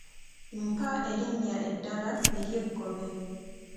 Mpa erinnya eddala ery’eggobe.